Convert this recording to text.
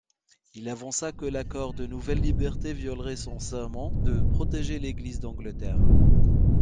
Il avança que l'accord de nouvelles libertés violerait son serment de protéger l'Église d'Angleterre.